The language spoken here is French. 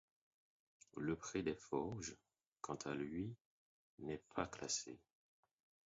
Le Pré des Forges, quant à lui, n'est pas classé.